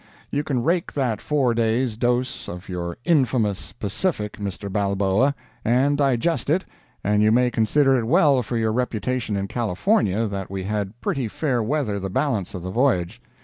You can rake that four days dose of your infamous "Pacific," Mr. Balboa, and digest it, and you may consider it well for your reputation in California that we had pretty fair weather the balance of the voyage.